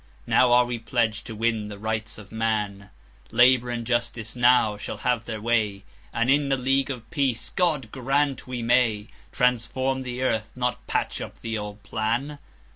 Now are we pledged to win the Rights of man; Labour and Justice now shall have their way, And in a League of Peace—God grant we may—Transform the earth, not patch up the old plan.